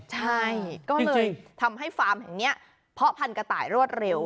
ใช่ก็เลยทำให้ฟาร์มแห่งนี้เพาะพันธะต่ายรวดเร็ว